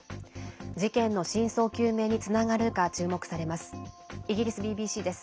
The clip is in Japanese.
事件の真相究明につながるか注目されます。